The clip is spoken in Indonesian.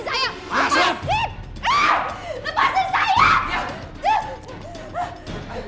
jangan saya tidak mau